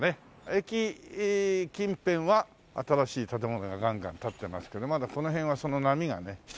駅近辺は新しい建物がガンガン建ってますけどまだこの辺はその波がね来てない。